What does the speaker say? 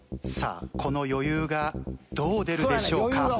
さあこの余裕がどう出るでしょうか。